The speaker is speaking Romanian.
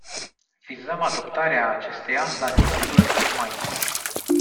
Vizăm adoptarea acesteia la începutul lunii mai.